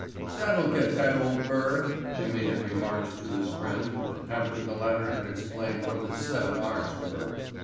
"That'll get that old bird," Jimmy had remarked to his friend after the latter had explained what the "seven arts" were.